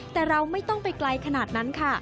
แต่เราไม่ต้องไปไกลขนาดนั้นค่ะ